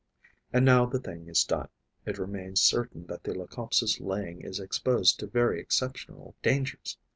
And now the thing is done: it remains certain that the Leucopsis' laying is exposed to very exceptional dangers.